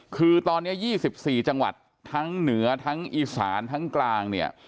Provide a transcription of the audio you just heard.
คือตอนนี้๒๔จังหวัดทั้งเหนือทั้งอีสานทั้งกลางเนี่ย